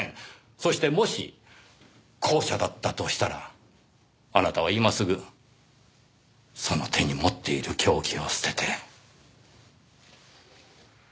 そしてもし後者だったとしたらあなたは今すぐその手に持っている凶器を捨てて。